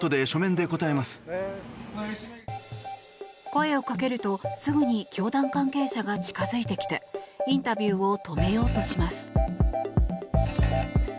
声をかけるとすぐに教団関係者が近づいてきてインタビューを止めようとします。